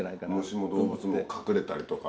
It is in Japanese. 虫も動物も隠れたりとか。